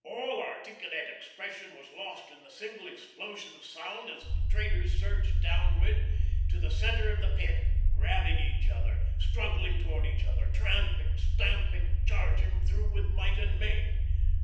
All articulate expression was lost in the single explosion of sound as the traders surged downwards to the centre of the Pit, grabbing each other, struggling towards each other, tramping, stamping, charging through with might and main.